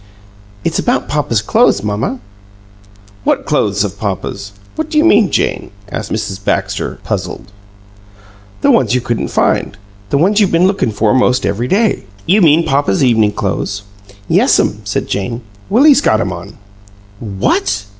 "It's about papa's clo'es, mamma." "What clothes of papa's? What do you mean, Jane?" asked Mrs. Baxter, puzzled. "The ones you couldn't find. The ones you been lookin' for 'most every day." "You mean papa's evening clothes?" "Yes'm," said Jane. "Willie's got 'em on." "What!"